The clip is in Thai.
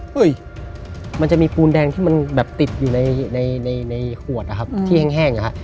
เห้ยมันจะมีปูนแดงที่มันติดอยู่ในขวดอะครับที่แห้งนะฮะ